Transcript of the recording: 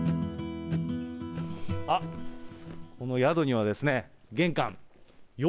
あっ、この宿にはですね、玄関、よ